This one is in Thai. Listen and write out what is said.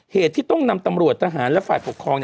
เหตุที่ต้องนำตำรวจทหารและฝ่ายปกครอง